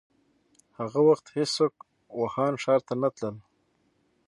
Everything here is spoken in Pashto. هغه وخت هيڅوک ووهان ښار ته نه تلل.